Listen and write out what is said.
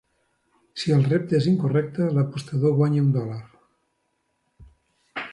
Si el repte és incorrecte, l'apostador guanya un dòlar.